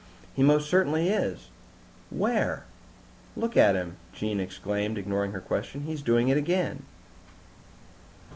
"He most certainly is." "Where?" "Look at him!" Jean exclaimed, ignoring her question. "He's doing it again!"